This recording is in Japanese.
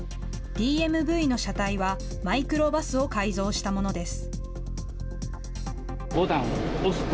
ＤＭＶの車体は、マイクロバスを改造したものです。